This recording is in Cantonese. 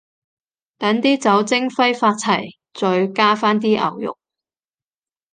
等啲酒精揮發齊，再加返啲牛肉